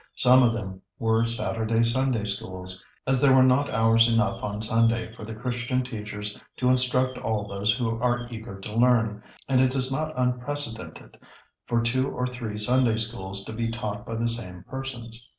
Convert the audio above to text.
Some of them were Saturday Sunday Schools, as there were not hours enough on Sunday for the Christian teachers to instruct all those who are eager to learn, and it is not unprecedented for two or three Sunday Schools to be taught by the same persons.